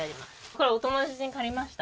これお友達に借りました。